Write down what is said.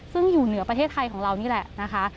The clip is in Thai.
ซึ่งอยู่เหนือประเทศไทยของเรานี่แหละนะคะ